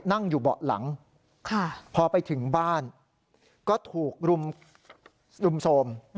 นั่งอยู่เบาะหลังพอไปถึงบ้านก็ถูกรุมโทรม